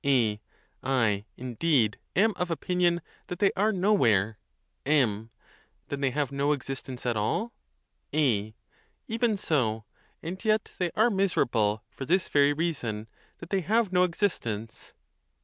A. I, indeed, am of opinion that they are nowhere. _ M. Then they have no existence at all. A. Even so, and yet they are miserable for this very reason, that they have no existence.